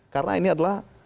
karena ini adalah